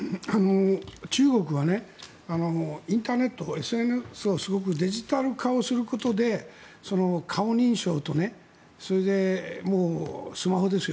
中国はインターネット、ＳＮＳをデジタル化をすごくすることで顔認証と、それでスマホですよ。